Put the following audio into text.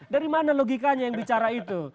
dari mana logikanya yang bicara itu